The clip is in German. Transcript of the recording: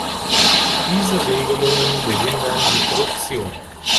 Diese Regelungen behindern die Produktion!